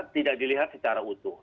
tidak dilihat secara utuh